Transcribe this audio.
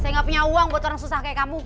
saya gak punya uang buat orang susah kayak kamu